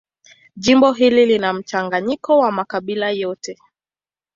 Jimbo hili lina mchanganyiko wa makabila yote.